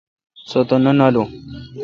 سو تہ نہ نالوں۔